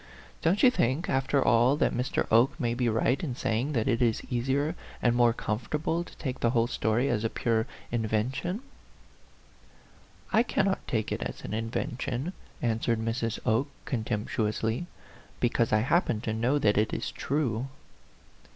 " Don't you think, after all, that Mr. Oke may be right in say ing that it is easier and more comfortable to take the whole story as a pure inven tion r " I cannot take it as an invention/' an swered Mrs. Oke, contemptuously, " because I happen to know that it is true."